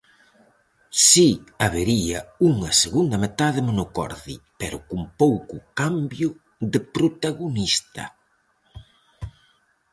Si habería unha segunda metade monocorde, pero con pouco cambio de protagonista.